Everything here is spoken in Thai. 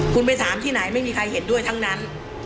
คุณไปถามที่ไหนไม่มีใครเห็นด้วยทั้งนั้น